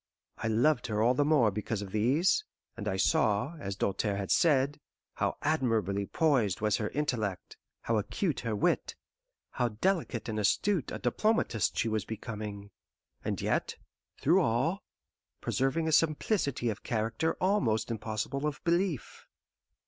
I loved her all the more because of these, and I saw, as Doltaire had said, how admirably poised was her intellect, how acute her wit, how delicate and astute a diplomatist she was becoming; and yet, through all, preserving a simplicity of character almost impossible of belief.